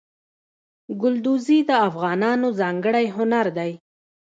ګلدوزي د افغانانو ځانګړی هنر دی.